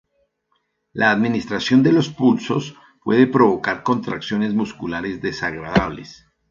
La administración de los pulsos puede provocar contracciones musculares desagradables.